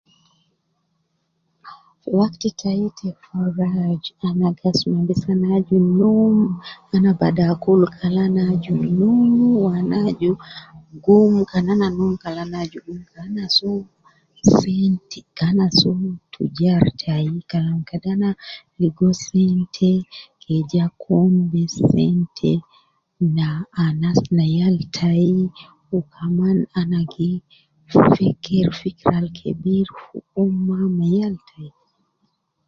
Wakti tayi te faraag ana gasma bes ana aju nuum ana baada akul kala ana aju nuum wu ana aju gum baada ana num kala ana aju gum kede ana so sente kana so tujar tayi kalam kede ana ligo sente ke ja kun me sente ne anas ne yal tayi wu kaman ana gi feker fikra al kebir fu ummah me yal tayi.